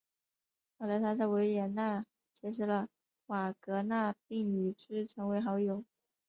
后来他在维也纳结识了瓦格纳并与之成为好友。